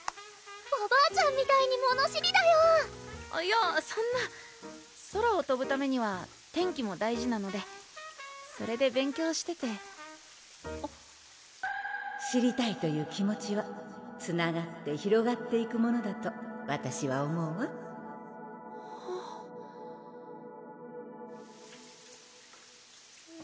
おばあちゃんみたいに物知りだよいやそんな空をとぶためには天気も大事なのでそれで勉強しててあっ知りたいという気持ちはつながって広がっていくものだとわたしは思うわあっ